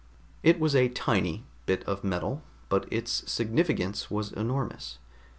It was a tiny bit of metal, but its significance was enormous.